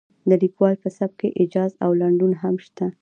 د لیکوال په سبک کې ایجاز او لنډون هم شته.